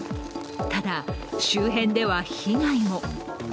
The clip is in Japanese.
ただ、周辺では被害も。